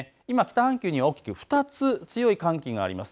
今、北半球には大きく２つ強い寒気があります。